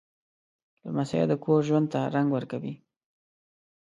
لمسی د کور ژوند ته رنګ ورکوي.